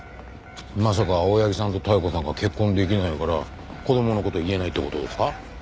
まさか青柳さんと妙子さんが結婚できないから子供の事言えないって事ですか？